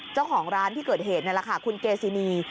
เจ้าของร้านที่เกิดเหตุนี่แหละค่ะคุณเกซินี